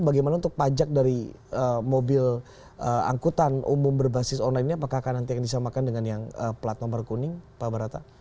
bagaimana untuk pajak dari mobil angkutan umum berbasis online ini apakah akan nanti akan disamakan dengan yang plat nomor kuning pak barata